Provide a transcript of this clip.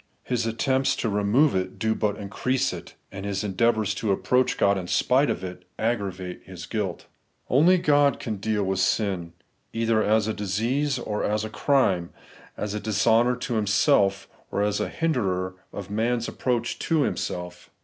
His attempts to remove it do but increase it, and his endeavours to approach God in spite of it aggra vate his guilt. Only God can deal with sin, either as a disease or as a crime ; as a dishonour to Him self, or as a hinderer of man's approach to Himself.